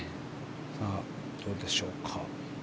さあ、どうでしょうか。